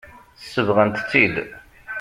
Sebɣent-tt-id.